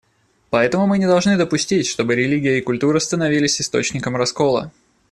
Поэтому мы не должны допустить, чтобы религия и культура становились источником раскола.